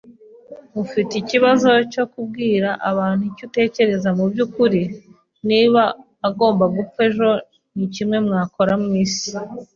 Ufite ikibazo cyo kubwira abantu icyo utekereza mubyukuri? Niba agomba gupfa ejo, niki mwakora mwisi?